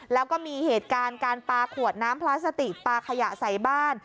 แล้วก็มีเหตุการณ์การปลาขวดน้ำพลาสติกปลาขยะใส่บ้าน